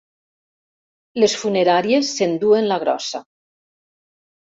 Les funeràries s'enduen la grossa.